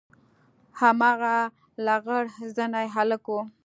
هماغه لغړ زنى هلک و.